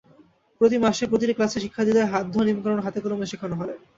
প্রতি মাসে প্রতিটি ক্লাসে শিক্ষার্থীদের হাত ধোয়ার নিয়মকানুন হাতে-কলমে শেখানো হয়।